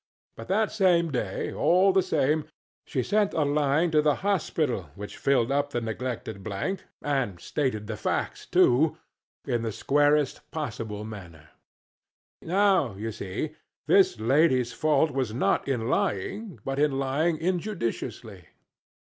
But that same day, all the same, she sent a line to the hospital which filled up the neglected blank, and stated the facts, too, in the squarest possible manner. Now, you see, this lady's fault was not in lying, but in lying injudiciously.